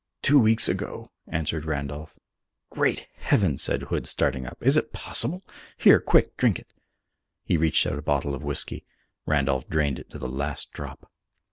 "Two weeks ago," answered Randolph. "Great Heaven!" said Hood, starting up. "Is it possible? Here, quick, drink it!" He reached out a bottle of whisky. Randolph drained it to the last drop.